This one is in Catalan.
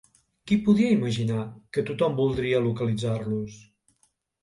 Qui podia imaginar que tothom voldria localitzar-los?